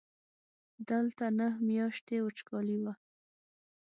دلته نهه میاشتې وچکالي وه.